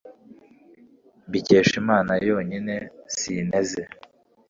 mbikesha imana yonyine, sinteze